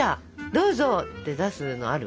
どうぞって出すのある？